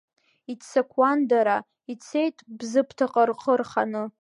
Иццакуан дара, ицеит Бзыԥҭаҟа рхы рханы.